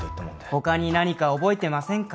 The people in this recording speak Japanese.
他に何か覚えてませんか？